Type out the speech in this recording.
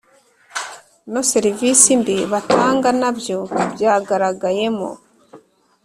No serivisi mbi batanga nabyo byagaragayemo